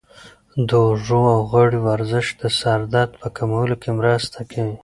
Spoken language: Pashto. د اوږو او غاړې ورزش د سر درد په کمولو کې مرسته کوي.